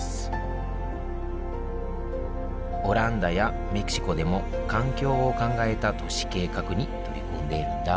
オランダやメキシコでも環境を考えた都市計画に取り組んでいるんだ